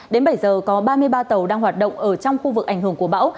đến bảy giờ có ba mươi ba tàu đang hoạt động ở trong khu vực ảnh hưởng của bão